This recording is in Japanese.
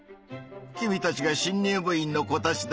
君たちが新入部員の子たちだね。